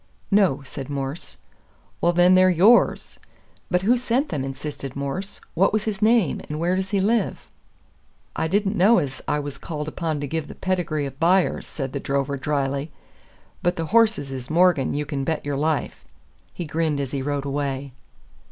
"No," said Morse. "Well, then, they're YOURS." "But who sent them?" insisted Morse. "What was his name, and where does he live?" "I didn't know ez I was called upon to give the pedigree o' buyers," said the drover dryly; "but the horses is 'Morgan,' you can bet your life." He grinned as he rode away.